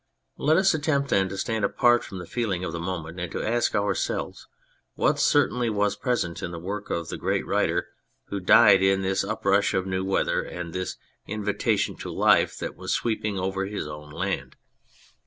Let us attempt then to stand apart from the feeling of the moment and to ask ourselves what certainly was present in the work of the great writer who died in this uprush of new weather, and this invitation to life that was sweeping over his own land.